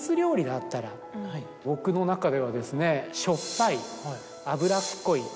僕の中ではですね。